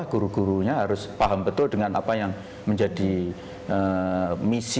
guru gurunya harus paham betul dengan apa yang menjadi misi